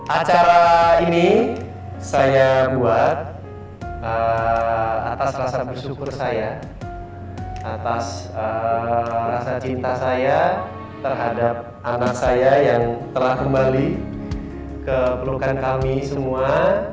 acara ini saya buat atas rasa bersyukur saya atas rasa cinta saya terhadap anak saya yang telah kembali ke pelukan kami semua